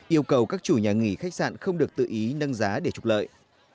yêu cầu các chủ nhà nghỉ khách sạn không được tự ý nâng giá để trục lợi